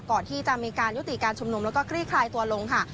ก่อนที่จะมีการยุติการชุมนุมแล้วก็คลี่คลายตัวลงค่ะ